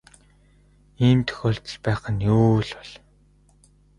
Ийм тохиолдол байх нь юу л бол.